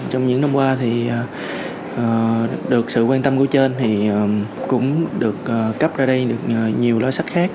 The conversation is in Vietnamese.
trong những năm qua thì được sự quan tâm của trên thì cũng được cấp ra đây được nhiều loa sách khác